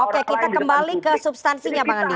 oke kita kembali ke substansinya pak andi